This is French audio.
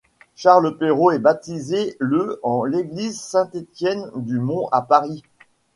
Charles Perrault est baptisé le en l'église Saint-Étienne-du-Mont à Paris.